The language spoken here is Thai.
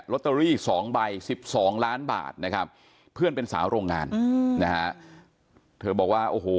ตเตอรี่สองใบสิบสองล้านบาทนะครับเพื่อนเป็นสาวโรงงานอืมนะฮะเธอบอกว่าโอ้โห